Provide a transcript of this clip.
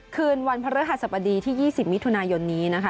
คืนวันพระฤหัสบดีที่๒๐มิถุนายนนี้นะคะ